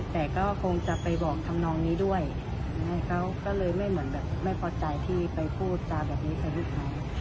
แต่ก็คงจะไปบอกทำนองนี้ด้วยเขาก็เลยไม่เหมือนแบบไม่พอใจที่ไปพูดจาแบบนี้กับลูกค้า